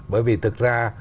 bởi vì thực ra